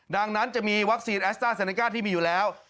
ดังนั้นจะมีวัคซีนแอสต้าเซเนก้าที่มีอยู่แล้ว